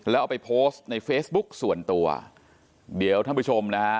แล้วเอาไปโพสต์ในเฟซบุ๊กส่วนตัวเดี๋ยวท่านผู้ชมนะฮะ